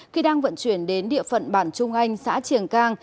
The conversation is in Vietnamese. khi đang vận chuyển đến địa phận bản trung anh xã triềng cang